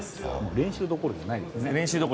練習どころじゃないです。